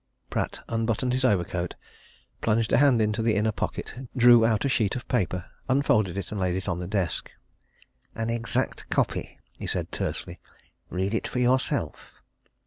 Pratt unbuttoned his overcoat, plunged a hand into the inner pocket, drew out a sheet of paper, unfolded it and laid it on the desk. "An exact copy," he said tersely. "Read it for yourself."